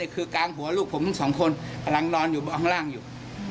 คือกลางหัวลูกผมทั้งสองคนกำลังนอนอยู่ข้างล่างอยู่